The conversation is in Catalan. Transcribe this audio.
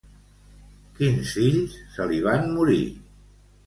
Quins fills se li van morir?